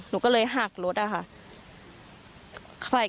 หนูก็เลยหักรถอะค่ะ